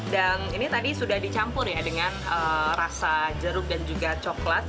dan ini tadi sudah dicampur ya dengan rasa jeruk dan juga coklat